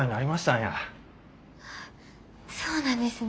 そうなんですね。